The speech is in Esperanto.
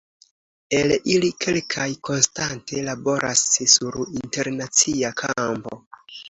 El ili kelkaj konstante laboras sur internacia kampo.